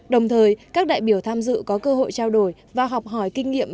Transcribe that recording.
đồng thời các đại biểu tham dự có cơ hội trao đổi và học hỏi kinh nghiệm